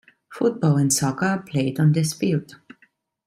Football and soccer are played on this field.